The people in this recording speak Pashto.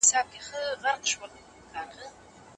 هیلې د کړکۍ له لارې د واورې ننداره کوله.